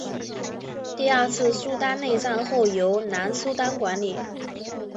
第二次苏丹内战后由南苏丹管理。